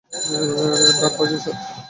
ডান পাশে, স্যার।